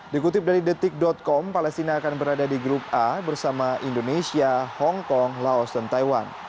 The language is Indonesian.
dikutip dari detik com palestina akan berada di grup a bersama indonesia hongkong laos dan taiwan